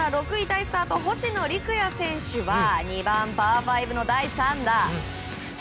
タイスタート星野陸也選手は２番、パー５の第３打。